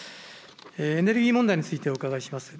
エネルギー問題についてお伺いします。